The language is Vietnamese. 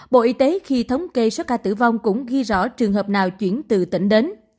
bộ y tế khi thống kê số ca tử vong cũng ghi rõ trường hợp nào chuyển từ tỉnh đến